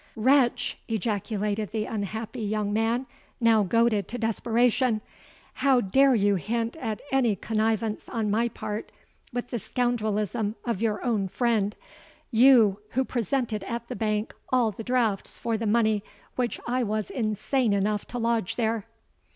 '—'Wretch!' ejaculated the unhappy young man, now goaded to desperation: 'how dare you hint at any connivance on my part with the scoundrelism of your own friend—you who presented at the bank all the drafts for the money which I was insane enough to lodge there!'